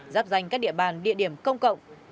giáp danh các địa bàn địa điểm công cộng